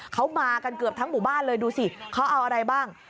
เขามากันเกือบทั้งหมู่บ้านเลยดูสิเขาเอาอะไรบ้าง